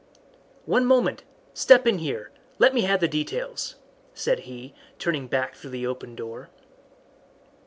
"One moment! Step in here! Let me have the details!" said he, turning back through the open door.